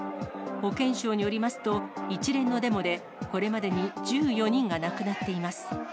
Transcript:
保健省によりますと、一連のデモで、これまでに１４人が亡くなっています。